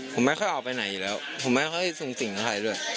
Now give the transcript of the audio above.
ผมไม่ค่อยออกไปไหนอยู่แล้วผมไม่ค่อยสูงสิงกับใครด้วย